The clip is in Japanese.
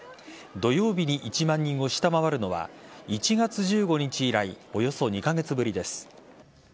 土曜日に１万人を下回るのは１月１５日以来およそ２カ月ぶりです。